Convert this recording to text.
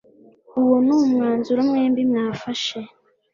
uwo nu mwanzuro mwembi mwafashe.